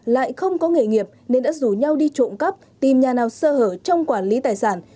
lại không có nghề nghiệp nên đã rủ nhau đi trộm cắp tìm nhà nào sơ hở trong quản lý tài sản